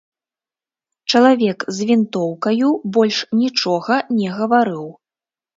Чалавек з вінтоўкаю больш нічога не гаварыў.